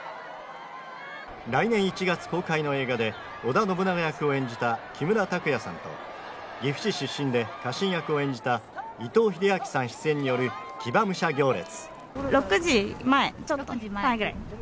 来年１月公開の映画で織田信長役を演じた木村拓哉さんと、岐阜市出身で家臣役を演じた伊藤英明さん出演による騎馬武者行列。